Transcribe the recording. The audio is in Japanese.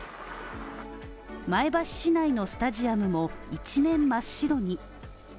前橋市内のスタジアムも一面真っ白に。